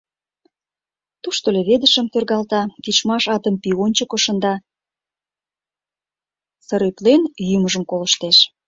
Тушто леведышым тӧргалта, тичмаш атым пий ончыко шында, сырӧплен йӱмыжым колыштеш.